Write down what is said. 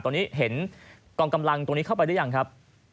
ตอนนี้เห็นกองกำลังตรงนี้เข้าไปหรือยังครับ